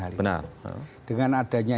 hal ini dengan adanya